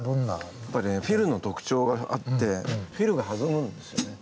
やっぱりねフィルの特徴があってフィルが弾むんですよね。